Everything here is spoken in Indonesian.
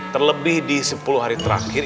terlebih di sepuluh hari terakhir